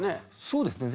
そうですね。